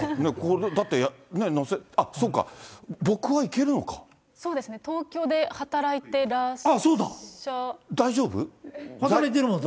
だって、あっ、そっか、僕はそうですね、東京で働いてら大丈夫？